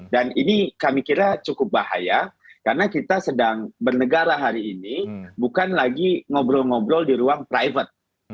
ini kami kira cukup bahaya karena kita sedang bernegara hari ini bukan lagi ngobrol ngobrol di ruang private